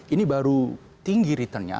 ini baru tinggi returnnya